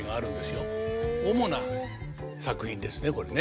主な作品ですねこれね。